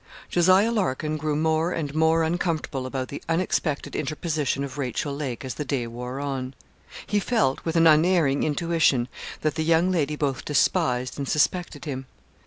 Jos. Larkin grew more and more uncomfortable about the unexpected interposition of Rachel Lake as the day wore on. He felt, with an unerring intuition, that the young lady both despised and suspected him.